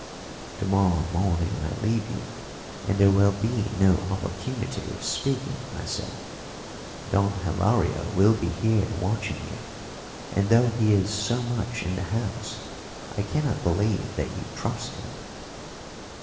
"To morrow morning I leave you, and there will be no opportunity of speaking," I said. "Don Hilario will be here watching you, and, though he is so much in the house, I cannot believe that you trust him."